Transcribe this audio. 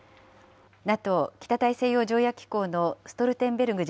ＮＡＴＯ・北大西洋条約機構のストルテンベルグ